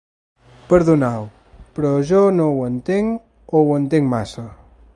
Perdonau, però jo no ho entenc o ho entenc massa.